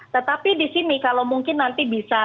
tetapi di sini kalau mungkin nanti bisa